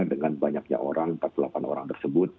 dengan banyaknya orang empat puluh delapan orang tersebut